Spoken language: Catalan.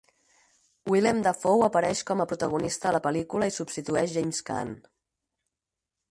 Willem Dafoe apareix com a protagonista a la pel·lícula i substitueix James Caan.